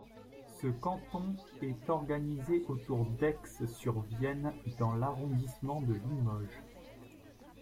Ce canton est organisé autour d'Aixe-sur-Vienne dans l'arrondissement de Limoges.